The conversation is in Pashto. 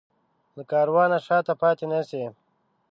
له کاروانه شاته پاتې نه شي.